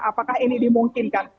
apakah ini dimungkinkan